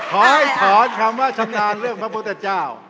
ขอให้ถอนคำว่าชำนาญเรื่องพระพุทธเจ้า